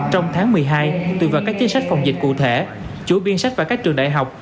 trong tháng một mươi hai tùy vào các chính sách phòng dịch cụ thể chủ biên sách và các trường đại học